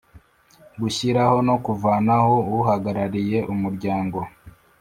Gushyiraho no kuvanaho uhagarariye umuryango